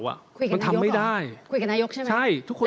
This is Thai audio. คุยกับนายกเหรอคุยกับนายกใช่ไหมใช่ทุกคนจะไปจับ